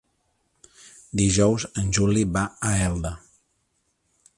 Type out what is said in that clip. Dijous en Juli va a Elda.